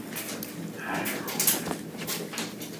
Hager ov vy.